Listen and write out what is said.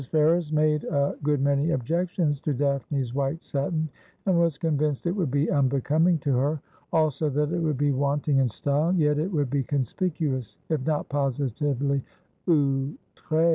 Ferrers made a good many objections to Daphne's white satin, and was convinced it would be unbecoming to her ; also that it would be wanting in style ; yet it would be conspicuous, if not positively outre.